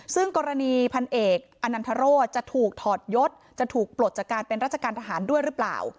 ซึ่งกรณีพันเอกอนันทรโรธจะถูกถอดยศจะถูกปลดจากการเป็นราชการทหารด้วยหรือเปล่า